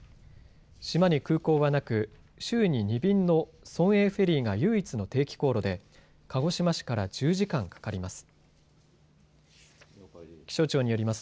島に空港はなく週に２便の村営フェリーが唯一の定期航路で鹿児島市から１０時間かかります。